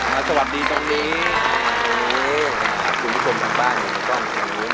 มาสวัสดีตรงนี้